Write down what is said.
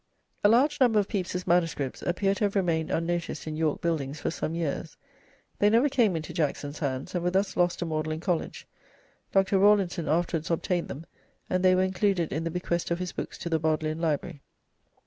A large number of Pepys's manuscripts appear to have remained unnoticed in York Buildings for some years. They never came into Jackson's hands, and were thus lost to Magdalene College. Dr. Rawlinson afterwards obtained them, and they were included in the bequest of his books to the Bodleian Library.